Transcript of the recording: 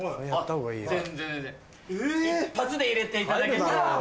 全然全然１発で入れていただけたら。